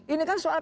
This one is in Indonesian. ini kan soal